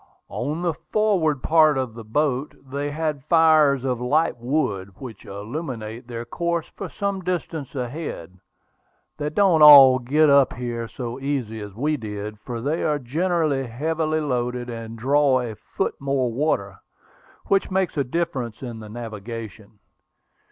"On the forward part of the boat they have fires of light wood, which illuminate their course for some distance ahead. They don't all get up here so easy as we did, for they are generally heavily loaded and draw a foot more water, which makes a difference in the navigation.